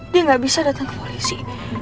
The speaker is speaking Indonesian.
dia nggak bisa datang ke polisi